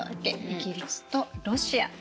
イギリスとロシア。